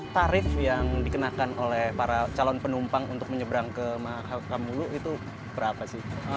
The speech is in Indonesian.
tarif yang dikenakan oleh para calon penumpang untuk menyeberang ke kamulu itu berapa sih